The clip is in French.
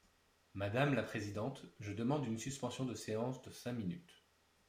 Madame la présidente, je demande une suspension de séance de cinq minutes.